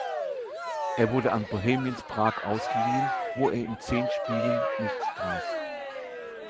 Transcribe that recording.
Er wurde an Bohemians Prag ausgeliehen, wo er in zehn Spielen nicht traf.